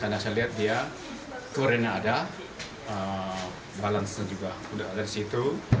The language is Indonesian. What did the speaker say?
karena saya lihat dia keuriannya ada balansnya juga udah ada di situ